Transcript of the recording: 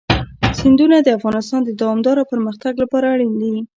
سیندونه د افغانستان د دوامداره پرمختګ لپاره اړین دي.